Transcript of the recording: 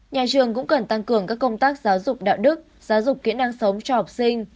nhà trường cũng cần tăng cường các công tác giáo dục đạo đức giáo dục kỹ năng sống cho học sinh